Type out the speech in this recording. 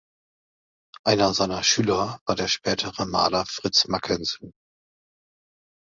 Einer seiner Schüler war der spätere Maler Fritz Mackensen.